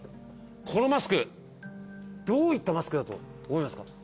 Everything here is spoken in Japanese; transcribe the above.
このマスクどういったマスクだと思いますか？